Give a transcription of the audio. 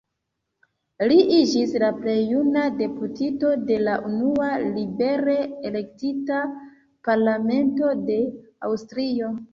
Li iĝis la plej juna deputito de la unua libere elektita parlamento de Aŭstrio.